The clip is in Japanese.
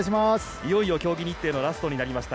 いよいよ競技日程のラストになりました。